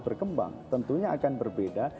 berkembang tentunya akan berbeda